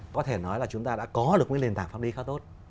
có thể nói là chúng ta đã có được cái nền tảng pháp lý khá tốt